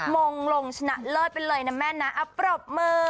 มงลงชนะเลิศไปเลยนะแม่นะปรบมือ